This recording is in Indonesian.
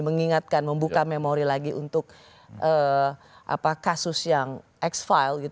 mengingatkan membuka memori lagi untuk kasus yang ex file